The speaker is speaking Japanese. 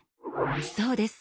そうです。